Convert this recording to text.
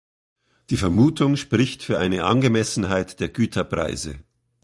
Die Vermutung spricht für eine Angemessenheit der Güterpreise.